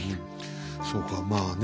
そうかまあね